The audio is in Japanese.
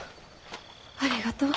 ありがとう。